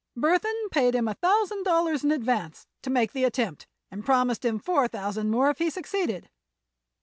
Burthon paid him a thousand dollars in advance, to make the attempt, and promised him four thousand more if he succeeded."